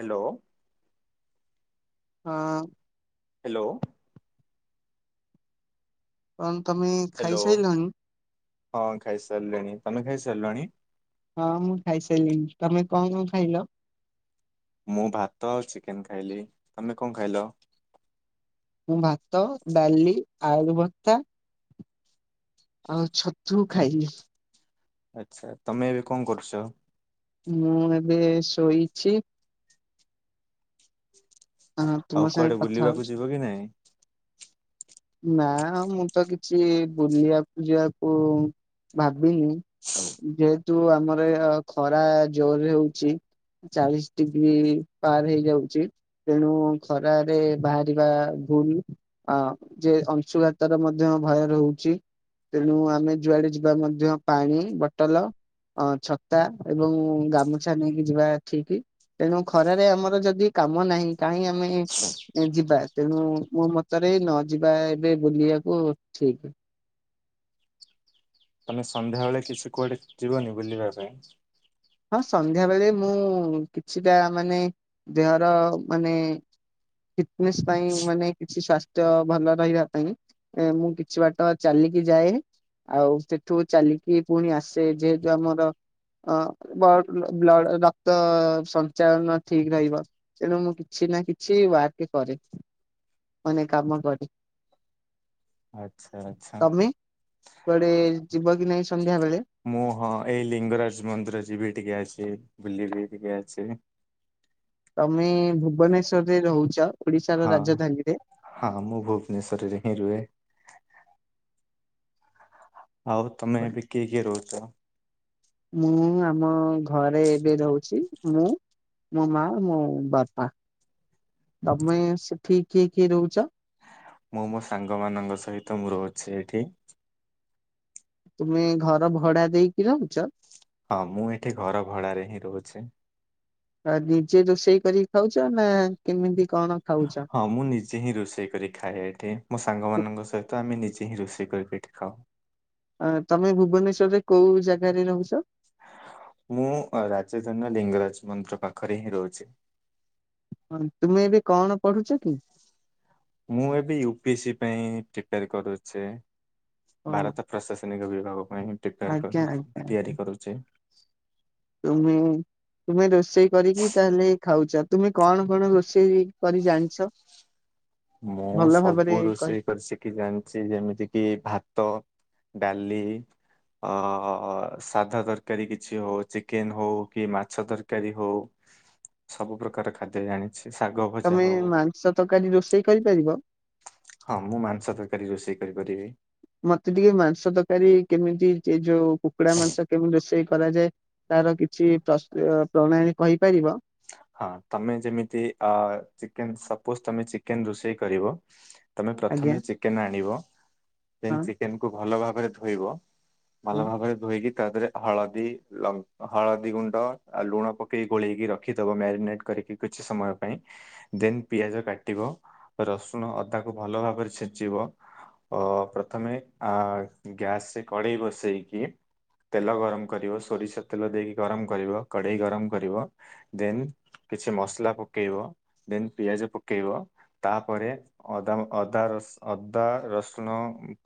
Hello. ହଁ। Hello. କଣ? ତମେ ହେଲୋ, ଖାଇସାରିଲଣି? ହଁ ଖାଇ ସାରିଲିଣି ତମେ ଖାଇ ସାରିଲଣି? ହଁ ମୁଁ ଖାଇସାରିଲିଣିି, ତମେ କଣ କଣ ଖାଇଲ? ମୁଁ ଭାତ ଆଉ ଚିକେନ ଖାଇଲି, ତମେ କଣ ଖାଇଲ? ମୁଁ ଭାତ, ଡାଲି, ଆଳୁ ଭର୍ତ୍ତା ଆଉ ଛତୁ ଖାଇଲି। ଆଚ୍ଛା, ତମେ ଏବେ କଣ କରୁଛ? ମୁଁ ଏବେ ଶୋଇଛି ହଁ ଆଉ ତୁମ କୁଆଡେ ସାଙ୍ଗେ କଥା ବୁଲିବାକୁ ହଉଛି। ଯିବ କି ନାଇଁ? ନା ମୁଁ ତ କିଛି ବୁଲିବାକୁ ଯିବାକୁ ଭାବିନି ଯେହେତୁ ଆମର ଏଅ ଖରା ଜୋର ରେ ହଉଛି। ଚାଳିଶ ଡିଗ୍ରୀ ପାର ହେଇଯାଉଛି ତେଣୁ ଖରାରେ ବାହାରିବା ଭୁଲ ଅ ଯେ ଅଂଶୁଘାତର ମଧ୍ୟ ଭୟ ରହୁଛି ତେଣୁ ଆମେ ଯୁଆଡେ ଯିବା ମଧ୍ୟ ପାଣି ବଟଲ ଅଁ ଛତା ଏବଂ ଗାମୁଛା ନେଇକି ଯିବା ଠିକି। ତେଣୁ ଖରାରେ ଆମର ଯଦି କାମ ନାହିଁ କାହିଁକି ଆମେ ଯିବା ତେଣୁ ମୋ ମତରେ ନ ଯିବା ଏବେ ବୁଲିବାକୁ ଠିକ। ତମେ ସନ୍ଧ୍ୟାବେଳେ କିଛି କୁଆଡେ ଯିବନି ବୁଲିବା ପାଇଁ। ହଁ ସନ୍ଧ୍ୟାବେଳେ ମୁଁ କିଛିଟା ମାନେ ଦେହର ମାନେ ଫିଟନେସ୍ ପାଇଁ ମାନେ କିଛି ସ୍ୱାସ୍ଥ୍ୟ ଭଲ ରହିବା ପାଇଁ। ଏ ମୁଁ କିଛି ବାଟ ଚାଲିକି ଯାଏ। ଆଉ ସେଠୁ ଚାଲିକି ପୁଣି ଆସେ ଯେହେତୁ ଆମର ଅ ବ ବ୍ଲ ରକ୍ତ ସଞ୍ଚାଳନ ଠିକ ରହିବ ତେଣୁ ମୁଁ କିଛି ନା କିଛି ଟି ୱାର୍କ କରେ ମାନେ କାମ କରେ। ଆଚ୍ଛା ଆଚ୍ଛା। ତମେ କୁଆଡେ ଯିବ କି ନାଇଁ ସ୍କୁ ମୁଁ ହଁ ଏଇ ଲିଙ୍ଗରାଜ ମନ୍ଦିର ଯିବି ଟିକେ ଆସି। ବୁଲିବି ଟିକେ ଆସି। ତମେ ଭୁବନେଶ୍ଵରରେ ରହୁଛ? ଓଡିଶାର ହଁ ରାଜଧାନୀରେ ହଁ ମୁଁ ଭୁବନେଶ୍ୱରରେ ହିଁ ରୁହେ। ଆଉ ତମେ ଏବେ କିଏ କିଏ ରହୁଛ? ମୁଁ ଆମ ଘରେ ଏବେ ରହୁଛି ମୁଁ ମୋ ମା ମୋ ବାପା। ତମେ ସେଠି କିଏ କିଏ ରହୁଛ? ମୁଁ ମୋ ସାଙ୍ଗ ମାନଙ୍କ ସହିତ ମୁଁ ରହୁଛି ଏଇଠି। ତୁମେ ଘର ଭଡା ଦେଇକି ରହୁଛ? ହଁ, ମୁଁ ଏଠି ଘର ଭଡାରେ ହିଁ ରହୁଛି। ଅ ନିଜେ ରୋଷେଇ କରିକି ଖାଉଛ ନା କେମିତି କଣ? ଖାଉଛ ହଁ ମୁଁ ନିଜେ ହିଁ ରୋଷେଇ କରି ଖାଏ ଏଠି ମୋ ସାଙ୍ଗ ମାନଙ୍କ ସହିତ ଆମେ ନିଜେ ହିଁ ରୋଷେଇ କରିକି ଏଠି ଖାଉ। ଅ ତମେ ଭୁବନେଶ୍ଵରରେ କୋଉ ଜାଗାରେ ରହୁଛ? ମୁଁ ରାଜଧାନୀର ଲିଙ୍ଗରାଜ ମନ୍ଦିର ପାଖରେ ହିଁ ରହୁଛି। ହଁ ତୁମେ ଏବେ କଣ ପଢୁଛ କି? ମୁଁ ଏବେ ୟୁ ପି ଏ ସି ପାଇଁ ପ୍ରିପେୟାର କରୁଛି। ହଉ ଭାରତ ପ୍ରଶାସନିକ ବିଭାଗ ପାଇଁ ପ୍ରିପାର ଆଜ୍ଞା ଆଜ୍ଞା ଆଜ୍ଞା ତିଆରି କରୁଛି। ତୁମେ ତୁମେ ରୋଷେଇ କରିକି ତାହେଲେ ଖାଉଛ ତୁମେ କଣ କଣ ରୋଷେଇ କରି ଜାଣିଛ? ମୁଁ ଭଲ ଭାବରେ ସବୁ କହି ରୋଷେଇ କରି ଶିଖି ଜାଣିଛି ଯେମିତି କିି ଭାତ ଡାଲି ଅ ସାଧା ତରକାରୀ କିଛି ହଉ ଚିକେନ ହଉ କି ମାଛ ତରକାରୀ ହଉ ସବୁ ପ୍ରକାର ଖାଦ୍ୟ ଜାଣେ। ତମେ ମାଂସ ତରକାରୀ ରୋଷେଇ କରି ହଁ ମୁଁ ମାଂସ ତରକାରୀ ରୋଷେଇ କରିପାରିବି। ମତେ ଟିକେ ମାଂସ ତରକାରୀ କେମିତି ଏ ଯୋଉ କୁକୁଡା ମାଂସ କେମିତି ରୋଷେଇ କରାଯାଏ ତାର କିଛି ପ୍ରସ୍ତୁ ପ୍ରଣାଳୀ କହିପାରିବ? ହଁ ତମେ ଯେମିତି ଅ ଚିକେନ୍ ସପୋଜ ତମେ ଚିକେନ ରୋଷେଇ କରିବ। ତମେ ଆଜ୍ଞା ପ୍ରଥମେ ଚିକେନ ଆଣିବ। ଦେନ୍ ହଁ ଚିକେନ କୁ ଭଲ ଭାବରେ ଧୋଇବ ହଁ। ଭଲ ଭାବରେ ଧୋଇକି ତା ଦେହରେ ହଳଦୀ ଲଙ୍କ ହଳଦୀ ଗୁଣ୍ଡ ଆଉ ଲୁଣ ପକେଇ ଘୋଳେଇକି ରଖି ରଖି ଦେବ ମ୍ୟାଗନେଟ କରିକି କିଛି ସମୟ ପାଇଁ ଦେନ୍ ପିଆଜ କାଟିବ ରସୁଣ ଅଦାକୁ ଭଲ ଭାବରେ ଛେଚିବ। ଅ ପ୍ରଥମେ ଆ ଗ୍ୟାସ ରେ କଡେଇ ବସେଇକି ତେଲ ଗରମ କରିବ ସୋରିଷ ତେଲ ଦେଇକି ଗରମ କରିବ କଡ଼େଇ ଗରମ କରିବ ଦେନ କିଛି ମସଲା ପକେଇବ ଦେନ ପିଆଜ ପକେଇବ ତାପରେ ଅଦା ଅଦା ର ରସ୍ ଅଦା ରସୁଣ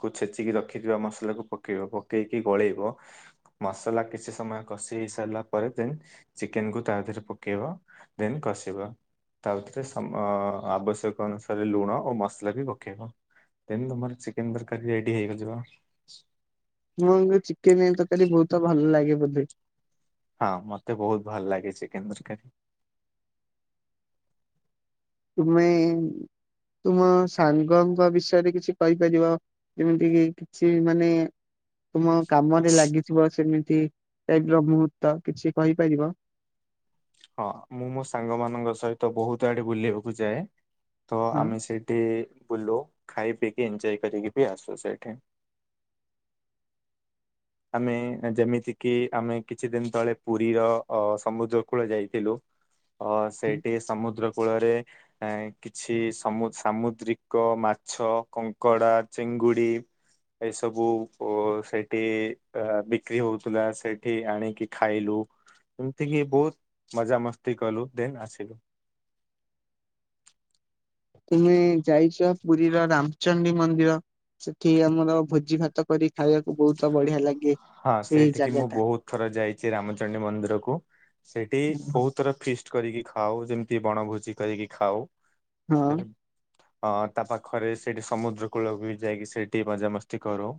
କୁ ଛେଚିକି ରଖିଥିବା ମସଲାକୁୁ ପକେଇବ ପକେଇକି ଗୋଳେଇବ। ମସଲା କିଛି ସମୟ କଷି ହେଇ ସାରିଲା ପରେ ଦେନ୍ ଚିକେନ କୁ ତା ଦେହରେ ପକେ ଇବ ଦେନ୍ କଷିବ। ତା ଭିତରେ ସମ ଆବଶ୍ୟକ ଅନୁସାରେ ଲୁଣ ଓ ମସଲା ବି ପକେଇବ। ଦେନ୍ ତମର ଚିକେନ ତରକାରୀ ରେଡି ହେଇ ଯିବ। [unintelligible] ଚିକେନ ତରକାରୀ ବହୁତ ଭଲ ଲାଗେ ବୋଧେ? ହଁ ମତେ ବହୁତ ଭଲ ଲାଗେଛି ଚିକେନ ତରକାରୀ। ତୁମେ ତୁମ ସାଙ୍ଗଙ୍କ ବିଷୟରେ କିଛି କହିପାରିବ ଯେମିତି କି କିଛି ମାନେ ତୁମ କାମରେ ଲାଗିଥିବ ସେମିତି ଟାଇପ ର ମୁହୂର୍ତ୍ତ କିଛି କହିପାରିବ? ହଁ ମୁଁ ମୋ ସାଙ୍ଗ ମାନଙ୍କ ସହିତ ବହୁତ ଆଡ ବୁଲିବାକୁ ଯାଏ। ତ ହଁ ଆମେ ସେଇଠି ବୁଲୁ। ଖାଇ ପିଇକି ଏଞଜୟ କରିକି ବି ଆସୁଛ ସେଇଠି। ଆମେ ଯେମିତି କିି ଆମେ କିଛି ଦିନ ତଳେ ପୁରୀର ଅ ସମୁଦ୍ର କୂଳ ଯାଇଥିଲୁ। ଅ ସେଇଠି ସମୁଦ୍ର କୂଳରେ ଏ କିଛି ସମୁ ସାମୁଦ୍ରିକ ମାଛ କଙ୍କଡ଼ା ଚିଙ୍ଗୁ ଙ୍ଗୁଡି ଏସବୁ ଅ ସେଇଠି ଅ ବିକ୍ରି ହେଉଥିଲା ସେଇଠି ଆଣିକି ଖାଇଲୁ। ଏମିତି କିି ବହୁତ ମଜାମସ୍ତି କଲୁ ଦେନ୍ ଆସିଲୁ। ତୁମେ ଯାଇଛ ପୁରୀ ର ରାମଚଣ୍ଡୀ ମନ୍ଦିର। ସେଇଠି ଆମର ଭୋଜି ଭାତ କରି ଖାଇବାକୁ ବହୁତ ବଢିଆ ଲାଗେ। ହଁ ସେଇ ସେଇଠିକି ଜାଗା ମୁଁ ଟା ବହୁତ ଥର ଯାଇଛି ରାମଚଣ୍ଡୀ ମନ୍ଦିରକୁ। ସେଇଠି ବହୁତ ଥର ଫିଷ୍ଟ କରିକି ଖାଉ ଯେମିତି ବଣଭୋଜି କରିକି ଖାଉ। ହଁ। ଅ ତା ପାଖରେ ସେଇଠି ସମୁଦ୍ର କୂଳକୁ ଯାଇକି ସେଇଠି ମଜାମସ୍ତି କରୁ।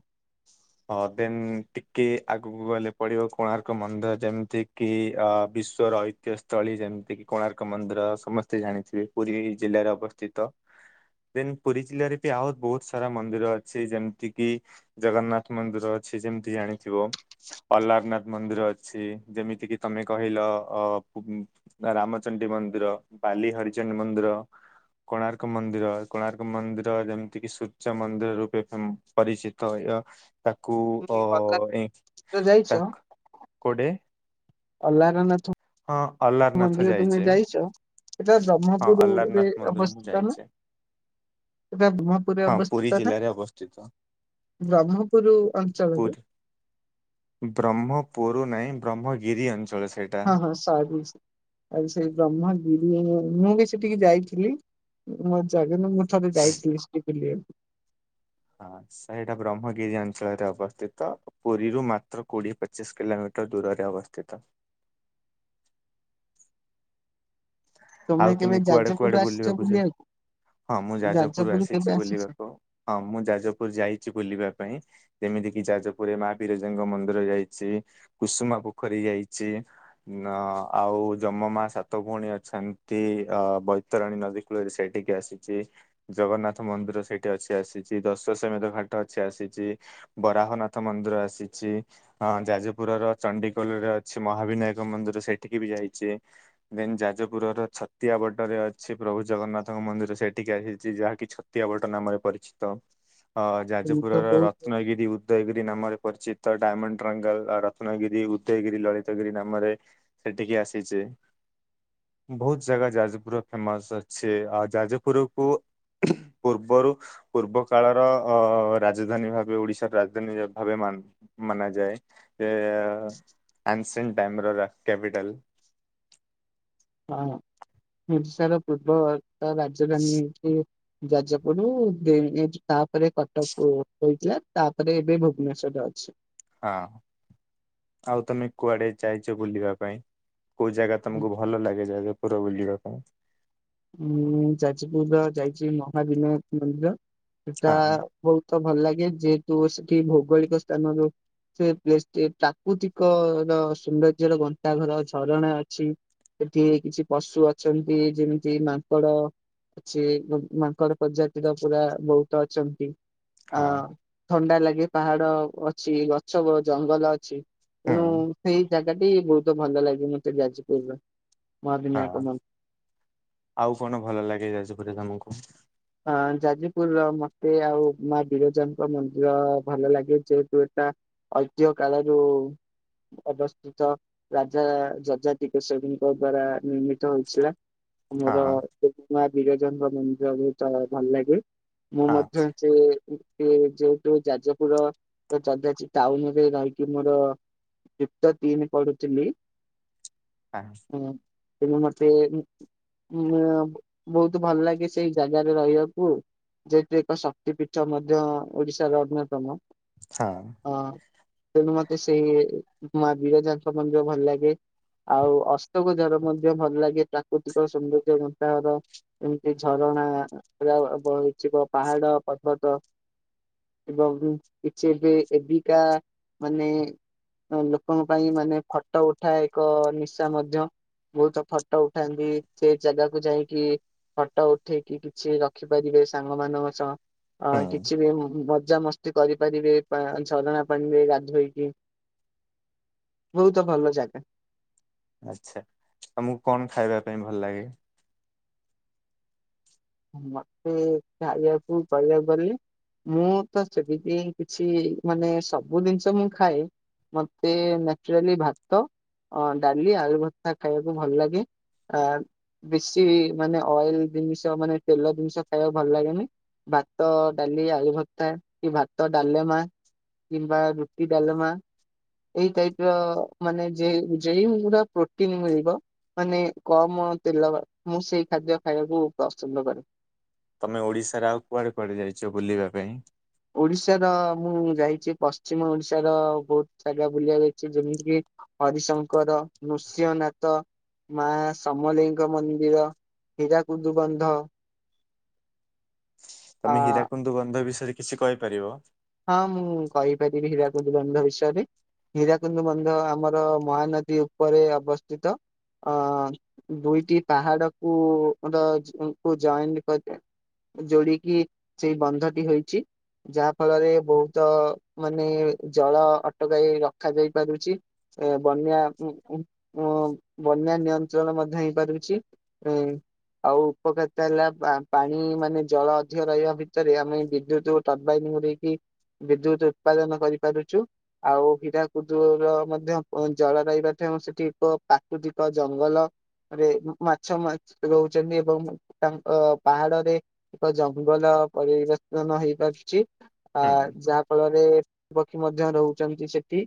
ହଁ ଦେନ୍ ଟିକ୍ କି ଆଗକୁ ଗଲେ ପଡିବ କୋଣାର୍କ ମନ୍ଦିର ଯେମିତି କି ଅ ବିଶ୍ଵର ଐତିହ୍ୟ ସ୍ଥଳୀ ଯେ- ଯେମିତି କି କୋଣାର୍କ ମନ୍ଦିର ସମସ୍ତେ ଜାଣିଥିବେ ପୁରୀ ଜିଲ୍ଲାରେ ଅବସ୍ଥିତ। ଦେନ ପୁରୀ ଜିଲ୍ଲାରେ ବି ଆଉ ବହୁତ ସାରା ମନ୍ଦିର ଅଛି ଯେମିତି କିି ଜଗନ୍ନାଥ ମନ୍ଦିର ଅ ଛି ଯେମିତି ଆଣେ। ଥିବ ଅଲାରନାଥ ମନ୍ଦିର ଅଛି ଯେମିତି କିି ତମେ କହିଲ ଅ ରାମଚଣ୍ଡୀ ମନ୍ଦିର ବାଲି ହରଚଣ୍ଡି ମନ୍ଦିର। କୋଣାର୍କ ମନ୍ଦିର କୋଣାର୍କ ମନ୍ଦିର ଯେମିତି କିି ସୂର୍ଯ୍ୟ ମନ୍ଦିର ରୂପେ ଉଁ ପରିଚିତ ହୁଏ। ତାକୁ ଅଲାରନାଥ ଅ। ତୁମେ ଯାଇଛ। [inaudible] ଅଲାରନାଥ ହଁ ଅଲାରନାଥ ମନ୍ଦିର ତୁମେ ଯାଇଛେ ଯାଇଛ। ସେଟା ହଁ ବ୍ରହ୍ମପୁରରେ ଅଲାରନାଥ ମନ୍ଦିର ମୁଁ ଅବସ୍ଥିତ ନା। ଯାଇଛେ ସେଟା ବ୍ରହ୍ମପୁରରେ ହଁ ପୁରୀ ଅବସ୍ଥିତନା। ଜିଲ୍ଲାରେ ଅବସ୍ଥିତ ବ୍ରହ୍ମପୁର ଅଞ୍ଚଳରେ। ବ୍ରହ୍ମପୁରୁ ନାହିଁ ବ୍ରହ୍ମଗିରି ଅଞ୍ଚଳରେ। ହଁ ହଁ ସରୀ। ସେଟିକି ଯାଇଥିଲି ମୋ ଜାଗାନା ମୁଁ ଥରେ ଯାଇଥିଲି ସେଠିକି ବୁଲିବାକୁ। ହଁ ସେଇଟା ବ୍ରହ୍ମଗିରି ଅଞ୍ଚଳରେ ଅବସ୍ଥିତ ପୁରୀରୁ ମାତ୍ର କୋଡିଏ ପଚିଶ କିଲୋମି ଦୂରରେ ଅବସ୍ଥିତ। ତମେ ଆଉ ତୁମେ କେବେ କୁଆଡେ ଯାଜପୁର କୁଆଡେ ଆସିଛ ବୁଲିବାକୁ ଯା। ହଁ ମୁଁ ଯାଜପୁର ଆସିଛି କେବେ ଆସିଛ ବୁଲିବାକୁ ହଁ ମୁଁ ଯାଜପୁର ଯାଇଛି ବୁଲିବାକୁ। ପାଇଁ ଯେମିତି କିି ଯାଜପୁରରେ ମା ବିରଜାଙ୍କ ମନ୍ଦିର ଯାଇଛି କୁସୁମା ପୋଖରୀ ଯାଇଛି। ଆଉ ଯମ ମା ସାତ ଭଉଣୀ ଅଛନ୍ତି। ଅ ବୈତରଣୀ ନଦୀ କୂଳରେ ସେଇଠିକି ଆସିଛି ଜଗନ୍ନାଥ ମନ୍ଦିର ସେଇଠି ଅଛି ଆସି ଦଶ ସମେତ ଘାଟ ଅଛି ଆସିଛି ବରାହନାଥ ମନ୍ଦିର ଆସିଛି ଅ ଯାଜପୁର। ଚଣ୍ଡିକୋଲରେ ଅଛି ମହାବିନାୟକ ମନ୍ଦିର ସେଠିକି ବି ଯାଇଛି ଦେନ୍ ଯାଜପୁରର। ଛତିଆ ବଟରେ ଅଛି ପ୍ରଭୁ ଜଗନ୍ନାଥଙ୍କ ମନ୍ଦିର ସେଠିକି ଆସିଛି ଯାହାକି ଛତିଆବଟ ନାମରେ ପରିଚିତ। ଆ ତମେ ତ ଯାଜପୁରର ବହୁତ ରତ୍ନଗିରି ଉଦୟଗିରି। ନାମରେ ପରିଚିତ ଡାଇମଣ୍ଡ ଟଙ୍ଗଲ ରତ୍ନଗିରି ଉଦୟଗିରି ଲଳିତଗିରି ନାମରେ ସେଠିକି ଆସିଛି। ବହୁତ ଜାଗା ଯାଜପୁର ଫେମସ ଅଛି, ଆଉ ଯାଜପୁର କୁ। ପୂର୍ବରୁ ପୂର୍ବ କାଳର ଅ ରାଜଧାନୀ ଭାବେ ଓଡିଶାର ରାଜଧାନୀ ଭାବେ ମାନା ଯାଏ ସେ ଆନ୍ସଣ୍ଟମିରର କ୍ୟାପିଟାଲ୍। ହଁ ଓଡିଶାର ପୂର୍ବବର୍ତ୍ତ ରାଜଧାନୀ ଯେକି। ଯାଜପୁର [unintelligible] ତାପରେ କଟକ ହୋଇଥିଲା। ତାପରେ ଏବେ ଭୁବନେଶ୍ଵରରେ ଅଛି। ହଁ ଆଉ ତମେ କୁଆଡେ ଯାଇଛ ବୁଲିବା ପାଇଁ। କୋଉ ଜାଗା ତମକୁ ଭଲ ଲାଗେ ଯାଜପୁରରେ ବୁଲିବା ପାଇଁ। ଉଁ ଯାଜପୁର ର ଯାଇଛି ମହାବିନାୟକ ମନ୍ଦିର ସେଟା ହଁ ବହୁତ୍। ତ ଭଲ ଲାଗେ ଯେହେତୁ ସେଠି ଭୌଗୋଳିକ ସ୍ଥାନରୁ। ସେ ପ୍ଲେସଟି ପ୍ରାକୃତିକ ର ସୌନ୍ଦର୍ଯ୍ୟ ର ଗନ୍ତାଘର ଝରଣା ଅଛି। ସେଠି କିଛି ପଶୁ ଅଛନ୍ତି ଯେମିତି। ସେ ମାଙ୍କଡ ଅଛି ମାଙ୍କଡ ପ୍ରଜାତିର ପୁରା ବହୁତ ଅଛନ୍ତି। ଅ ହଁ ଥଣ୍ଡା ଲାଗେ ପାହାଡ ଅଛି ଗଛ ଜଙ୍ଗଲ ଅଛି। ହୁଁ ତେଣୁ ସେଇ ଜାଗାଟି ବହୁତ ଭଲ ଲାଗେ ମତେ ଯାଜପୁର ର। ହଁ ମହାବିନାୟକ ମନ୍ଦିର। ଆଉ କଣ ଭଲ ଲାଗେ ଯାଜପୁରରେ ତମକୁ। ଆ ଯାଜପୁରର ମତେ ଆଉ ମା ବିରଜାଙ୍କ ମନ୍ଦିର ଭଲ ଲାଗେ ଯେହେତୁ ଏଟା ଐତିହ୍ୟ କାଳରୁ ଅବସ୍ଥିତ ରାଜା ଯଜାତିିକେଶରୀଙ୍କ ଦ୍ଵାରା ନିର୍ମିତ ହୋଇଥିଲା। ହଁ ଆମର ମା ବିରଜାଙ୍କ ମନ୍ଦିର ବହୁତ୍ ଭଲ ଲାଗେ। ମୁଁ ହଁ ମଧ୍ୟ ସେ ସେ ଯୋଉଠୁ ଯାଜପୁର ଯଧା ଟାଉନରେ ରହିକି ମୋର ଦିପ୍ତ ତିନି ପଢୁଥିଲି। ଆଂ, ତୁମେ ମତେ ଉ ବହୁତ ଭଲ ଲାଗେ ସେଇ ଜାଗାରେ ରହିବାକୁ ଯେହତୁ ଏକ ଶକ୍ତି ପୀଠ ମଧ୍ୟ ଓଡିଶାର ଅନ୍ୟତମ। ହଁ, ଅ ତେଣୁ ମତେ ସେଇ ମହାବୀରଜାଙ୍କ ମନ୍ଦିର ଭଲ ଲାଗେ। ଆଉ ଅଶୋକଝର ମଧ୍ୟ ଭଲ ଲାଗେ ପ୍ରାକୃତିକ ସୌନ୍ଦର୍ଯ୍ୟ ଗନ୍ତାଘର ଏମତି ଝର ରଣା ପୁରା ହେଇଛିିବ ପାହାଡ ପର୍ବତ ଏବଂ କିଛି ଏବେ ଏବିକା ମାନେ ଲୋକଙ୍କ ପାଇଁ ମାନେ ଫଟ ଉଠା ଏକ ନିଶା ମଧ୍ୟ। ବହୁତ ଫଟ ଉଠାନ୍ତି ସେ ଜାଗାକୁ ଯାଇକି ଫ ଟ ଉଠେଇକି କିଛି ରଖିପାରିବେ ସାଙ୍ଗ ମାନଙ୍କ ସହ ଅ ହୁଁ କିଛି ବି ପୂଜା ମସ୍ତି କରିପାରିବେ ଝରଣା ପାଣିରେ ଗାଧେଇକି। ବହୁତ ଭଲ ଜାଗା। ଆଛା ତମକୁ କଣ ଖାଇବା ପାଇଁ ଭଲ ଲାଗେ? ମତେ ଖାଇବାକୁ କଇବାକୁ ଗଲେ ମୁଁ ତ ସେମିତି କିଛି ମାନେ ସବୁ ଜିନିଷ ମୁଁ ଖାଏ। ମତେ ନ୍ୟାଚୁରାଲି ଭାତ ଡାଲି ଆଳୁ ଭରତା ଖାଇବାକୁ ଭଲ ଲାଗେ। ଆ ବେଶୀ ମାନେ ଅଏଲ ଜିନିଷ ମାନେ ତେଲ ଜିନିଷ ଖାଇବାକୁ ଭଲ ଲାଗେନି। ଭାତ ଡାଲି ଆଳୁ ଭରତା କି ଭାତ ଡାଲେମା। କିମ୍ବା ରୁଟି ଡାଲମା। ଏଇ ଟାଇପ ର ମାନେ ଜେ ଜେ ଯେଉଁଗୁରା ପ୍ରୋଟିନ ମିଳିବ ମାନେ କମ ତେଲ ମୁଁ ସେଇ ଖାଦ୍ୟ ଖାଇବାକୁ ପସନ୍ଦ କରେ। ତମେ ଓଡିଶାରେ ଆଉ କୁଆଡେ କୁଆଡେ ଯାଇଚ ବୁଲିବା ପାଇଁ? ଓଡିଶାର ମୁଁ ଯାଇଛି ପଶ୍ଚିମ ଓଡିଶାର ବହୁତ ଜାଗା ବୁଲିବାକୁ ଯାଇଛି ଯେମିତି କିି ହରିଶଙ୍କର ନୃସିଂହନାଥ। ମା ସମଲେଇଙ୍କ ମନ୍ଦିର ହୀରାକୁଦୁ ଵନ୍ଧ, ତମେ ହୀରାକୁନ୍ଦୁ ଵନ୍ଧ ବିଷୟରେ କିଛି କହିପାରିବ। ହଁ ମୁଁ କହିପାରିବି ହୀରାକୁଦ ଵନ୍ଧ ବିଷୟରେ। ହୀରାକୁଦ ବନ୍ଧ ଆମର ମହାନଦୀ ଉପରେ ଅବସ୍ଥିତ। ଅ ଦୁଇଟି ପାହାଡ କୁ ର କୁ ଜଏଣଣ୍ଟ କରେ ଯୋଡିକି ସେଇ ବନ୍ଧଟି ହେଇଛି ଯାହା ଫଳରେ ବହୁତ ମାନେ ଜଳ ଅଟକାଇ ରଖାାଯାଇ ପାରୁଚି ବନ ବନ୍ୟା ବନ୍ୟା ନିୟନ୍ତ୍ରଣ ମଧ୍ୟ ହେଇପାରୁଛି। ଆଉ ଉପକାରିତା ହେଲା ପାଣି ମାନେ ଜଳ ଅଧିକ ରହିବା ଭିତରେ ଆମେ ବିଦ୍ୟୁତ ଟର୍ବାଇନ ଗୁଡ଼ି ବିଦ୍ୟୁତ ଉତ୍ପାଦନ କରିପାରୁଚୁ। ଆଉ ହୀରାକୁଦର ମଧ୍ୟ ଜଳ ରଇବାଠଉ ସେଠି ଏକ ପ୍ରାକୃତିକ ଜଙ୍ଗଲ ରେ ମାଛ ରହୁଛନ୍ତି ଏବଂ ତାଙ୍କ ପାହାଡରେ ଏକ ଜଙ୍ଗଲ ପରିବର୍ତ୍ତନ ହେଇପାରୁଛି ଆ ହୁଁ ଯାହା ଫଳରେ ପକ୍ଷୀ ମଧ୍ୟ ରହୁଛନ୍ତି ସେଠି।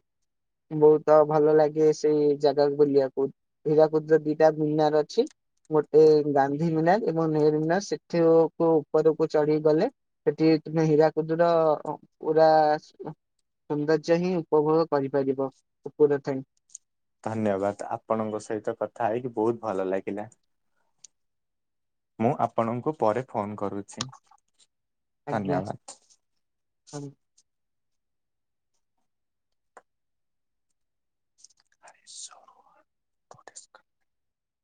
ବହୁତ ଭଲ ଲାଗେ ସେଇ ଜାଗା ବୁଲିବାକୁ ହୀରାକୁଦର ଦିଟା ଭୁମିନାର ଅଛି। ଗୋଟେ ଗାନ୍ଧୀ ମିନାର ଏବଂ ନେହେରୁ ମିନାର ସେଠି କ ଉପରକୁ ଚଢି ଗଲେ ସେଠି ତମେ ହୀରାକୁଦୁର ପୁରା ସୌନ୍ଦର୍ଯ୍ୟ ହିଁ ଉପଭୋଗ କରିପାରିବ ଉପରେ ଥାଇଁ। ଧନ୍ୟବାଦ ଆପଣଙ୍କ ସହିତ କଥା ହେଇକି ବହୁତ ଭଲ ଲାଗିଲା। ମୁଁ ଆପଣଙ୍କୁ ପରେ ଫୋନ କର କରୁଛି ଆଜ୍ଞା। ଧନ୍ୟବାଦ। ସବ,